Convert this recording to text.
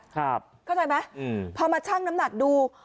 เข้าใจไหมพอมาชั่งน้ำหนักดู